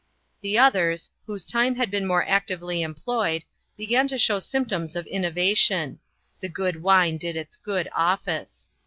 The others, whose time had been more actively employed, began to show symptoms of innovation 'the good wine did its good office.'